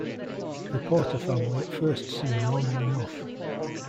The Porter family at first seem normal enough.